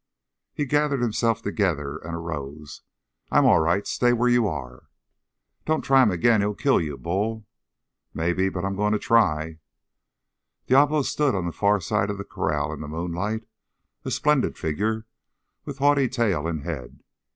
He gathered himself together and arose, "I'm all right. Stay where you are!" "Don't try him again. He'll kill you, Bull!" "Maybe. But I'm going to try." Diablo stood on the far side of the corral in the moonlight, a splendid figure with haughty tail and head.